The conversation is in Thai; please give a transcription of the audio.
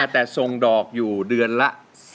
แต่ทรงดอกอยู่เดือนละ